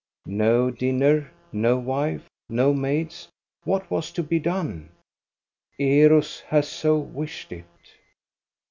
No dinner, no wife, no maids! What was to be done? Eros has so wished it.